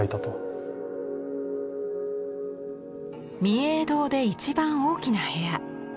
御影堂で一番大きな部屋。